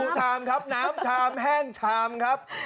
ชามครับน้ำชามแห้งชามครับ